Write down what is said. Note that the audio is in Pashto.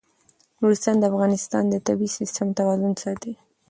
نورستان د افغانستان د طبعي سیسټم توازن ساتي.